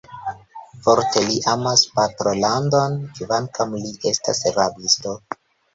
Forte li amas patrolandon, kvankam li estas rabisto.